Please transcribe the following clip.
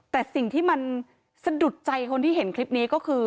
แต่สิ่งที่มันสะดุดใจคนที่เห็นคลิปนี้ก็คือ